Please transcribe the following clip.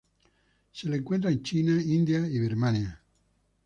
Se la encuentra en China, India y Birmania.